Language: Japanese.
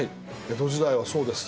江戸時代はそうです。